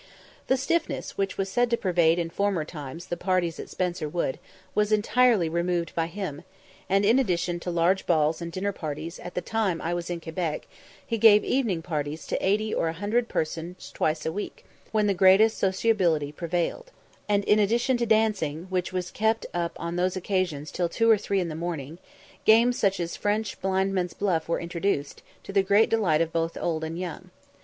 The stiffness which was said to pervade in former times the parties at Spencer Wood was entirely removed by him; and in addition to large balls and dinner parties, at the time I was at Quebec he gave evening parties to eighty or a hundred persons twice a week, when the greatest sociability prevailed; and in addition to dancing, which was kept up on these occasions till two or three in the morning, games such as French blindman's buff were introduced, to the great delight of both old and young.